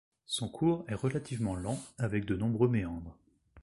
Son cours est relativement lent, avec de nombreux méandres.